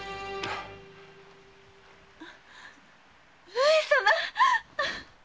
上様！？